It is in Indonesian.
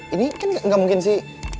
ini kan gak mungkin sih